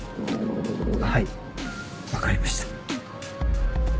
はい分かりました。